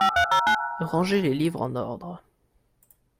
Rangez les livres en ordre.